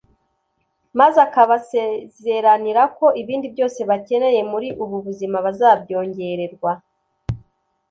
maze akabasezeranira ko ibindi byose bakeneye muri ubu buzima bazabyongererwa